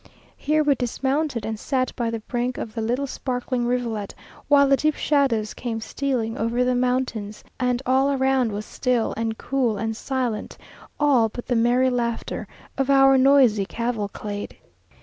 Here we dismounted, and sat by the brink of the little sparkling rivulet, while the deep shadows came stealing over the mountains, and all around was still, and cool, and silent; all but the merry laughter of our noisy cavalcade.